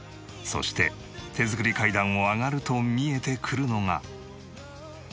そして手作り階段を上がると見えてくるのが。